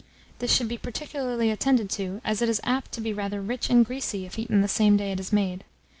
This should be particularly attended to, as it is apt to be rather rich and greasy if eaten the same day it is made.